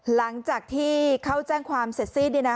หลังจากที่เขาแจ้งความเสร็จสิ้น